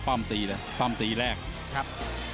ปั้มตีแล้วสัมพันธ์ปาร์มตีแรกครับ